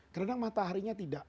karena mataharinya tidak